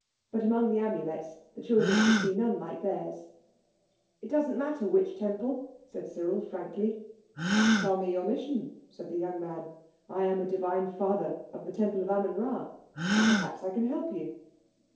But among the amulets the children could see none like theirs. "It doesn't matter which Temple," said Cyril frankly. "Tell me your mission," said the young man. "I am a divine father of the Temple of Amen Rā and perhaps I can help you."